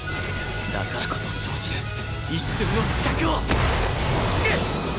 だからこそ生じる一瞬の死角を突く！